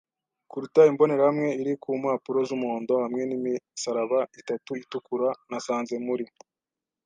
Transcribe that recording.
kuruta imbonerahamwe iri ku mpapuro z'umuhondo, hamwe n'imisaraba itatu itukura, nasanze muri